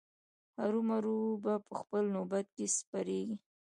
هرو مرو به په خپل نوبت کې سپریږي.